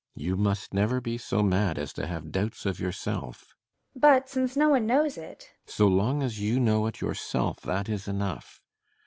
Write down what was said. ] You must never be so mad as to have doubts of yourself! FRIDA. But since no one knows it BORKMAN. So long as you know it yourself, that is enough.